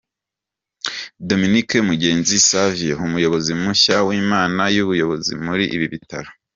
Dominique Mugenzi Savio, Umuyobozi mushya w’Inama y’Ubuyobozi muri ibi bitaro.